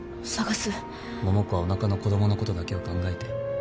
桃子はおなかの子供のことだけを考えて。